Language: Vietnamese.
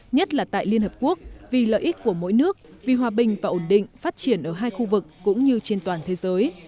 nhất là tại liên hợp quốc vì lợi ích của mỗi nước vì hòa bình và ổn định phát triển ở hai khu vực cũng như trên toàn thế giới